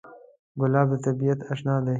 ګلاب د طبیعت اشنا دی.